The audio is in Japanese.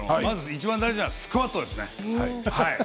いちばん大事なのはスクワットです。